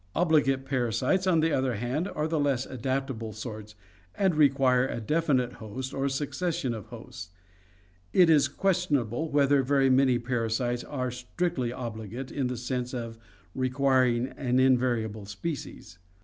Obligate parasites, on the other hand, are the less adaptable sorts, and require a definite host or succession of hosts. It is questionable whether very many parasites are strictly obligate in the sense of requiring an invariable species.